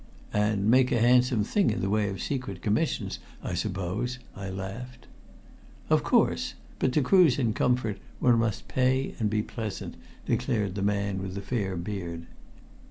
"And make a handsome thing in the way of secret commissions, I suppose?" I laughed. "Of course. But to cruise in comfort one must pay and be pleasant," declared the man with the fair beard.